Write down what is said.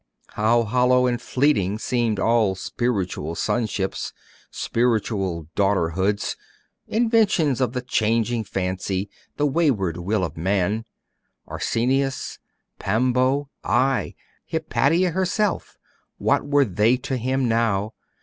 How hollow and fleeting seemed all 'spiritual sonships,' 'spiritual daughterhoods,' inventions of the changing fancy, the wayward will of man! Arsenius Pambo ay, Hypatia herself what were they to him now?